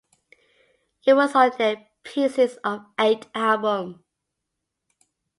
It was on their "Pieces of Eight" album.